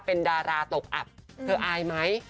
เป็นดาราตกอับเธออายไหม